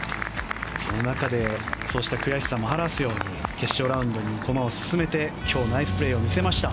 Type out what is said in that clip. その中で悔しさもあって決勝ラウンドに駒を進めて今日ナイスプレーを見せました。